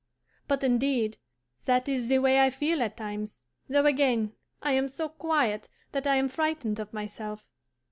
But indeed, that is the way I feel at times, though again I am so quiet that I am frightened of myself.